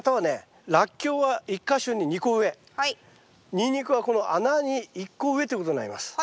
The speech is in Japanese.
ニンニクはこの穴に１個植えということになります。